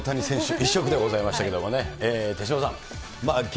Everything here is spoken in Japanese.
一色でございましたけどもね、手嶋さん。